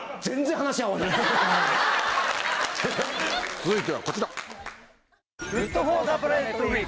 続いてはこちら。